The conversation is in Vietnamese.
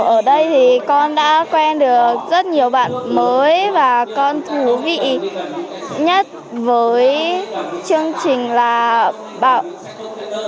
ở đây thì con đã quen được rất nhiều bạn mới và con thú vị nhất với chương trình là bạo hành trẻ em ạ